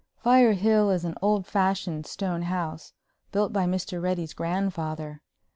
Firehill is an old fashioned, stone house, built by Mr. Reddy's grandfather.